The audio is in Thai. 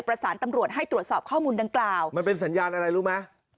ประสานตำรวจให้ตรวจสอบข้อมูลดังกล่าวมันเป็นสัญญาณอะไรรู้ไหม